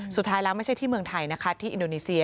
สุดท้ายแล้วไม่ใช่ที่เมืองไทยนะคะที่อินโดนีเซีย